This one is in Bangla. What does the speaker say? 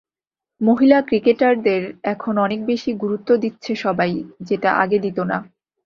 মহিলা ক্রিকেটারদের এখন অনেক বেশি গুরুত্ব দিচ্ছে সবাই, যেটা আগে দিত না।